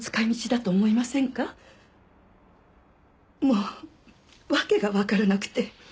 もうわけがわからなくて。